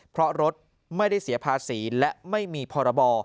เพราะรถไม่ได้เสียภาษีและไม่มีพรบ